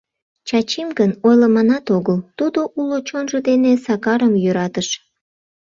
Чачим гын, ойлыманат огыл: тудо уло чонжо дене Сакарым йӧратыш...